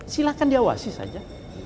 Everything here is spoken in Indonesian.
silahkan diawasi saja